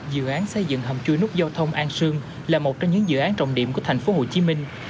dự án xây dựng hầm chui nút giao thông an sương là một trong những dự án trọng điểm của thành phố hồ chí minh